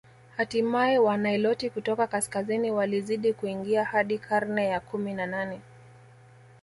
Hatimae Waniloti kutoka kaskazini walizidi kuingia hadi karne ya kumi na nane